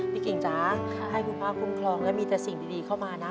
พี่กิ่งสาให้คุณพาคุณคร้องและมีแต่สินดีเข้ามานะ